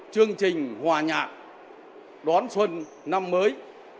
chương trình hòa nhạc đón xuân năm mới